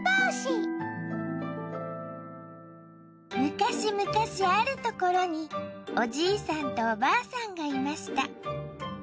昔むかしあるところにおじいさんとおばあさんがいました。